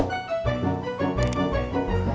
sebenernya keki itu apa